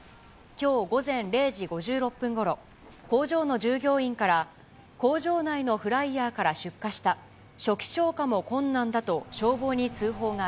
きょう午前０時５６分ごろ、工場の従業員から、工場内のフライヤーから出火した、初期消火も困難だと消防に通報が